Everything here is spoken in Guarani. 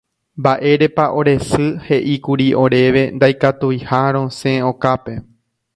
Mba'érepa ore sy he'íkuri oréve ndaikatuiha rosẽ okápe